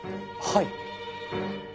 はい！